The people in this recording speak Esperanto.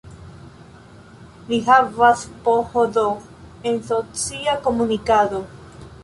Li havas PhD en socia komunikado.